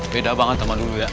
beda banget sama dulu ya